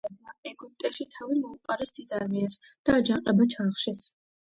ინგლისელებმა ეგვიპტეში თავი მოუყარეს დიდ არმიას და აჯანყება ჩაახშეს.